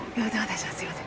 すみません。